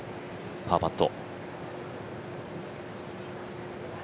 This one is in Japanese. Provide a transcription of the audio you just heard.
パーパット。